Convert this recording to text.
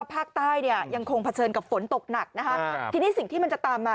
ภาคใต้เนี่ยยังคงเผชิญกับฝนตกหนักนะคะทีนี้สิ่งที่มันจะตามมา